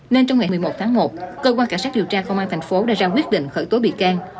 nên trong ngày một mươi một tháng một cơ quan cảnh sát điều tra công an thành phố đã ra quyết định khởi tố bị can